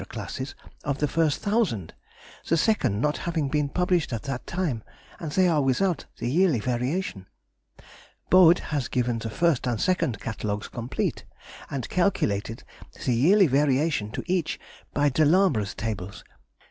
classes of the first 1000, the second not having been published at that time, and they are without the yearly variation. Bode has given the first and second Catalogues complete, and calculated the yearly variation to each by de Lambre's Tables.